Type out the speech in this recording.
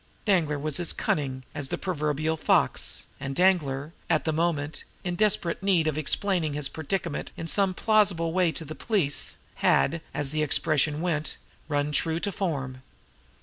Danglar was as cunning as the proverbial fox; and Danglar, at that moment, in desperate need of explaining his predicament in some plausible way to the police, had, as the expression went, run true to form.